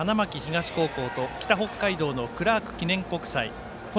岩手の花巻東高校と北北海道のクラーク記念国際。